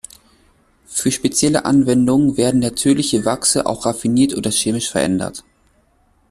Für spezielle Anwendungen werden natürliche Wachse auch raffiniert oder chemisch verändert.